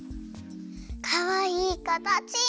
かわいいかたち！